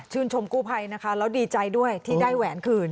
ชมกู้ภัยนะคะแล้วดีใจด้วยที่ได้แหวนคืน